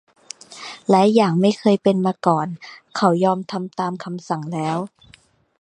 และอย่างไม่เคยเป็นมาก่อน เขายอมทำตามคำสั่งแล้ว